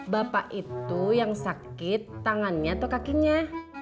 bapak itu yang sakit tangannya atau kakinya